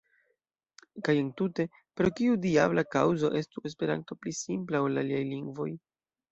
Kaj entute: Pro kiu diabla kaŭzo estu Esperanto pli simpla ol la aliaj lingvoj?